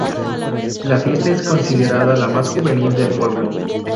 La fiesta es considerada la más juvenil del pueblo.